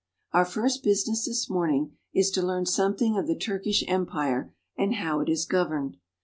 OUR first business this morning is to learn something of the Turkish empire and how it is governed.